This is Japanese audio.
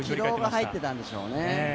軌道が入っていたんでしょうね。